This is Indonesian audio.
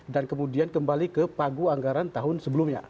dan kemudian kembali ke pagu anggaran tahun sebelumnya